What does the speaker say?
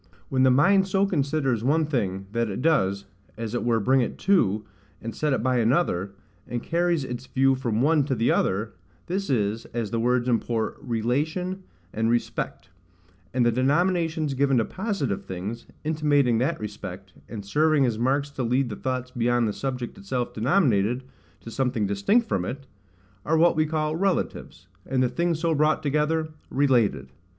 When the mind so considers one thing, that it does as it were bring it to, and set it by another, and carries its view from one to the other—this is, as the words import, RELATION and RESPECT; and the denominations given to positive things, intimating that respect, and serving as marks to lead the thoughts beyond the subject itself denominated, to something distinct from it, are what we call RELATIVES; and the things so brought together, RELATED.